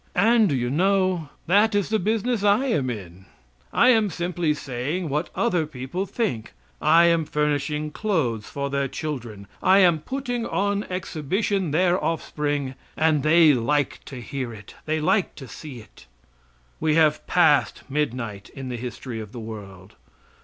And, do you know, that is the business I am in? I am simply saying what other people think; I am furnishing clothes for their children, I am putting on exhibition their offspring, and they like to hear it, they like to see it. We have passed midnight in the history of the world.